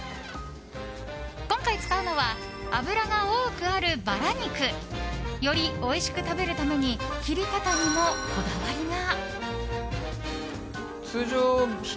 今回使うのは脂が多くあるバラ肉。よりおいしく食べるために切り方にもこだわりが。